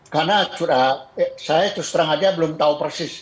karena saya terus terang aja belum tahu persis